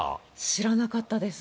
知らなかったです。